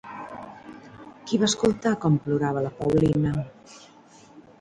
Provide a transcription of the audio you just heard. Qui va escoltar com plorava la Paulina?